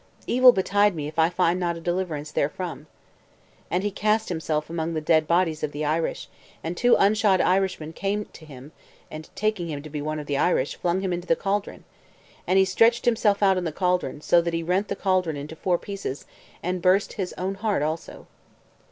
Evil betide me if I find not a deliverance therefrom." And he cast himself among the dead bodies of the Irish; and two unshod Irishmen came to him, and, taking him to be one of the Irish, flung him into the caldron. And he stretched himself out in the caldron, so that he rent the caldron into four pieces, and burst his own heart also.